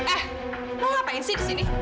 eh mau ngapain sih di sini